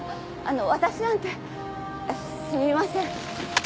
私なんてすみません。